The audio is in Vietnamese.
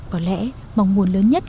có lẽ mong muốn lớn nhất